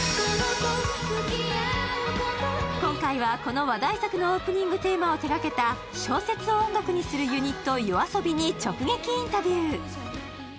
今回はこの話題作のオープニングテーマを手掛けた小説を音楽にするユニット、ＹＯＡＳＯＢＩに直撃インタビュー。